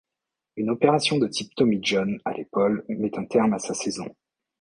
Une opération de type Tommy John à l'épaule met un terme à sa saison.